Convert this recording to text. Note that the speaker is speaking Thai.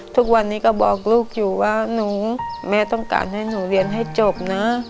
ทุกวันนี้ก็บอกลูกอยู่ว่าหนูแม่ต้องการให้หนูเรียนให้จบนะ